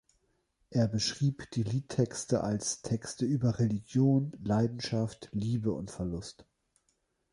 Er beschrieb die Liedtexte als Texte über Religion, Leidenschaft, Liebe und Verlust.